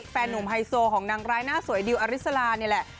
แฟนนุ่มไฮโซของนางร้ายหน้าสวยดิวอริสลานี่แหละ